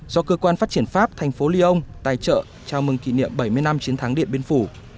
do cơ quan phát triển pháp thành phố lyon tài trợ chào mừng kỷ niệm bảy mươi năm chiến thắng điện biên phủ